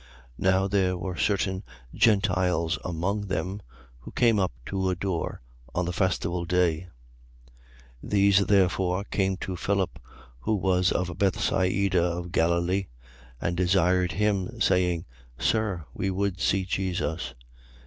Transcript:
12:20. Now there were certain Gentiles among them, who came up to adore on the festival day. 12:21. These therefore came to Philip, who was of Bethsaida of Galilee, and desired him, saying: Sir, we would see Jesus.